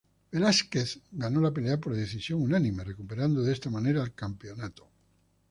Velásquez ganó la pelea por decisión unánime, recuperando de esta manera el campeonato.